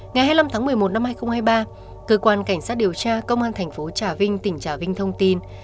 ngày hai mươi năm tháng một mươi một năm hai nghìn hai mươi ba cơ quan cảnh sát điều tra công an thành phố trà vinh tỉnh trà vinh thông tin